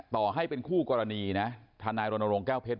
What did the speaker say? ต่อให้เป็นคู่กรณีนะทนายรณรงค์แก้วเพชร